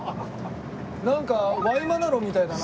なんかワイマナロみたいだな。